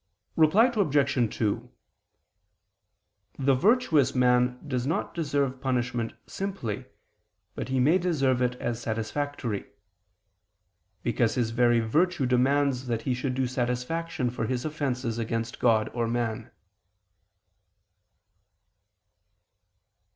Reply Obj. 2: The virtuous man does not deserve punishment simply, but he may deserve it as satisfactory: because his very virtue demands that he should do satisfaction for his offenses against God or man.